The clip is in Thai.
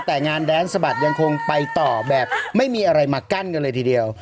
แต่งานแดนสะบัดยังคงไปต่อแบบไม่มีอะไรมากั้นกันเลยทีเดียว